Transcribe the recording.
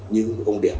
như ông điểm